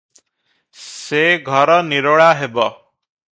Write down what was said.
ସେ ଘର ନିରୋଳା ହେବ ।